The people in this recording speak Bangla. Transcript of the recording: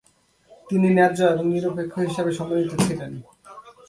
তিনি ন্যায্য এবং নিরপেক্ষ হিসাবে সম্মানিত ছিলেন।